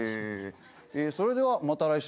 それではまた来週。